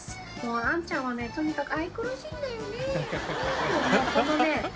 アンちゃんはねとにかく愛くるしいんだよ